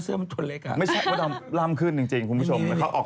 เดี๋ยวน่ะคุณมดำมีนมด้วยล่ะครับ